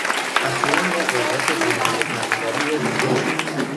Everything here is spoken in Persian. اخیرا ما قدرت غولهای فنآوری را دیدهایم